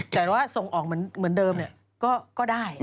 แต่ว่าส่งออกเหมือนเดิมก็ได้